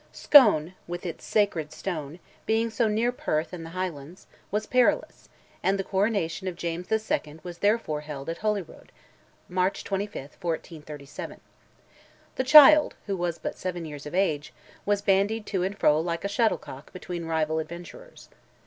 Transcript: Scone, with its sacred stone, being so near Perth and the Highlands, was perilous, and the coronation of James II. was therefore held at Holyrood (March 25, 1437). The child, who was but seven years of age, was bandied to and fro like a shuttlecock between rival adventurers.